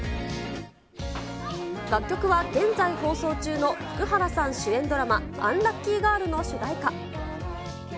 楽曲は現在放送中の福原さん主演ドラマ、アンラッキーガール！の主題歌。